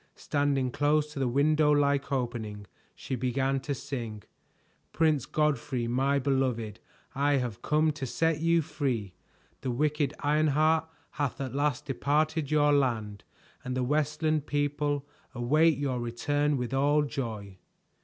Standing close to the window like opening she began to sing: "Prince Godfrey, my beloved, I have come to set you free. The wicked Ironheart hath at last departed your land And the Westland people await your return with all joy."